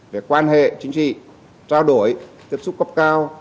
về quan hệ chính trị trao đổi tiếp xúc cấp cao